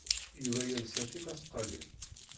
Yuba yelsa tismaqqalin.